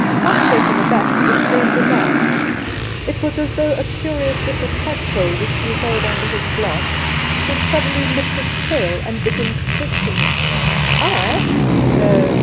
Half taken aback the stranger laughed. It was as though a curious little tadpole which he held under his glass should suddenly lift its tail and begin to question him. "I? no."